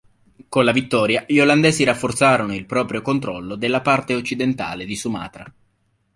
Con la vittoria, gli Olandesi rafforzarono il proprio controllo della parte occidentale di Sumatra.